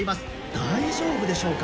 大丈夫でしょうか？